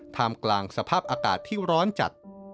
ท่ามกลางสภาพอากาศที่ร้อนจัด